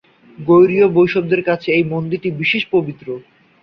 গৌড়ীয় বৈষ্ণবদের কাছে এই মন্দির বিশেষ পবিত্র।